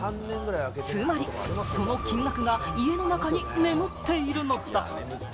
つまり、その金額が家の中に眠っているのだ。